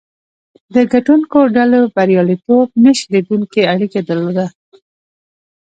د ګټونکو ډلو بریالیتوب نه شلېدونکې اړیکه درلوده.